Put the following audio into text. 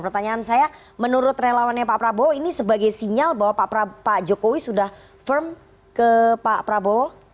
pertanyaan saya menurut relawannya pak prabowo ini sebagai sinyal bahwa pak jokowi sudah firm ke pak prabowo